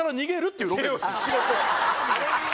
仕事。